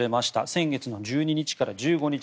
先月１２日から１５日